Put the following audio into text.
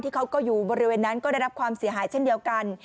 เขาก็อยู่บริเวณนั้นก็ได้รับความเสียหายเช่นเดียวกัน